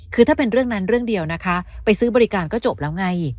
คือถ้าเป็นเรื่องนั้นเรื่องเดียวนะคะไปซื้อบริการก็จบแล้วไง